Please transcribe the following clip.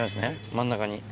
真ん中に。